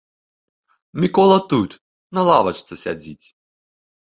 Мікола тут, на лавачцы сядзіць!